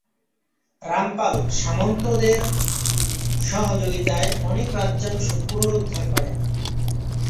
রামপাল সামন্তদের সহযোগিতায় অনেক রাজ্যাংশ পুনরুদ্ধার করেন।